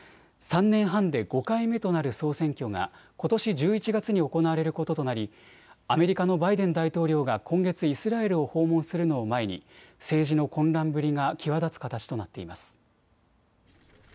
３年半で５回目となる総選挙がことし１１月に行われることとなりアメリカのバイデン大統領が今月イスラエルを訪問するのを前に政治の混乱ぶりが際立つ形となっています。